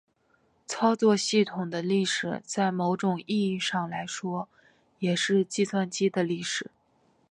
操作系统的历史在某种意义上来说也是计算机的历史。